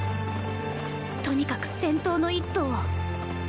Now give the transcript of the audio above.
とにかく先頭の一頭を。